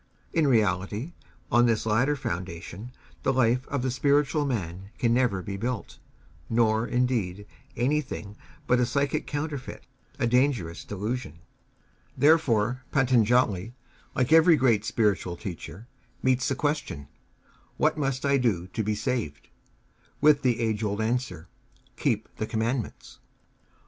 In reality, on this latter foundation the life of the spiritual man can never be built; nor, indeed, anything but a psychic counterfeit, a dangerous delusion. Therefore Patanjali, like every great spiritual teacher, meets the question: What must I do to be saved? with the age old answer: Keep the Commandments.